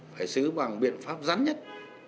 phải xử bằng biện pháp rắn nhất